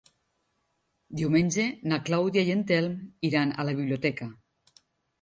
Diumenge na Clàudia i en Telm iran a la biblioteca.